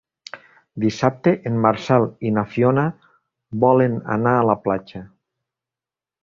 Dissabte en Marcel i na Fiona volen anar a la platja.